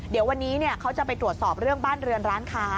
เดี๋ยววันนี้เขาจะไปตรวจสอบเรื่องบ้านเรือนร้านค้า